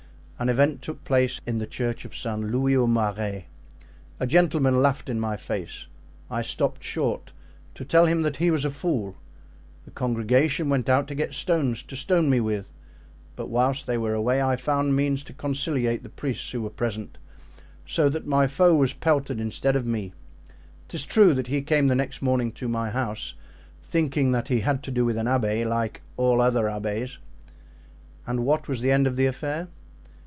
An event took place in the Church of St. Louis au Marais. A gentleman laughed in my face. I stopped short to tell him that he was a fool; the congregation went out to get stones to stone me with, but whilst they were away I found means to conciliate the priests who were present, so that my foe was pelted instead of me. 'Tis true that he came the next morning to my house, thinking that he had to do with an abbé—like all other abbés." "And what was the end of the affair?"